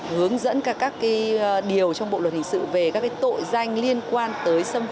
hướng dẫn các điều trong bộ luật hình sự về các tội danh liên quan tới xâm phạm